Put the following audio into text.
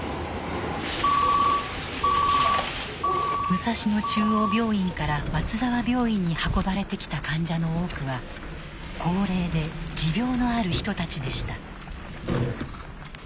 武蔵野中央病院から松沢病院に運ばれてきた患者の多くは高齢で持病のある人たちでした。